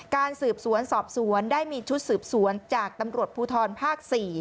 การสืบสวนสอบสวนได้มีชุดสืบสวนจากตำรวจภูทรภาค๔